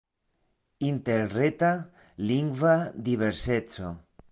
Interreta lingva diverseco.